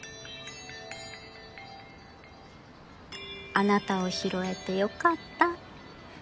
あなたを拾えてよかった。